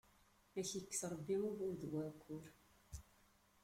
Ad ak-ikkes Ṛebbi ugur d uɛekkur!